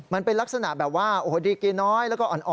มันเป็นลักษณะแบบว่าโอดีกิน้อยและอ่อน